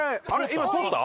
今通った？